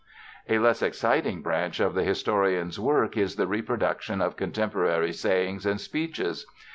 A less exciting branch of the historian's work is the reproduction of contemporary sayings and speeches.